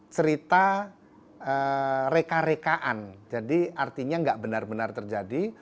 cerita reka rekaan jadi artinya nggak benar benar terjadi